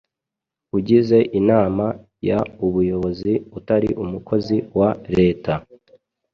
ugize inama y ubuyobozi utari umukozi wa leta